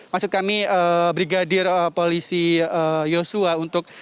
maksud kami brigadir polisi yosua untuk